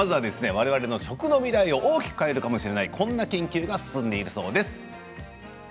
われわれの食の未来を大きく変えるかもしれないこんな研究が進んでいます。